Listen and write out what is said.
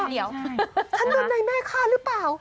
ฉันโดดในแม่ค่ะหรือเปล่า